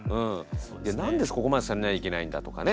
「なんでそこまでされなきゃいけないんだ」とかね。